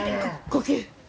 呼吸。